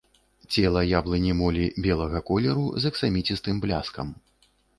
Цела яблыні молі белага колеру, з аксаміцістым бляскам.